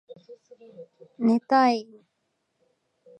寝たい